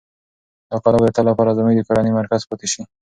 دا کلا به د تل لپاره زموږ د کورنۍ مرکز پاتې شي.